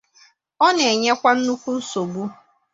ọ na-enyekwa nnukwu nsogbu